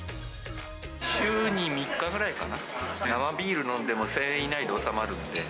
週に３日ぐらいかな、生ビール飲んでも１０００円以内で収まるんで。